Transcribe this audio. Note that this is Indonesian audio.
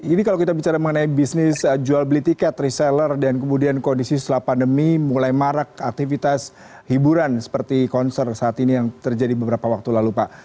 ini kalau kita bicara mengenai bisnis jual beli tiket reseller dan kemudian kondisi setelah pandemi mulai marak aktivitas hiburan seperti konser saat ini yang terjadi beberapa waktu lalu pak